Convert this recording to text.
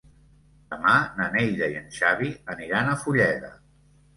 Demà na Neida i en Xavi aniran a Fulleda.